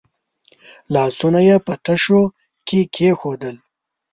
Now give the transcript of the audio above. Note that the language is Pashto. لاسونه یې په تشو کې کېښودل.